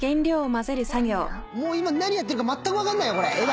もう今何やってるかまったく分かんないよ。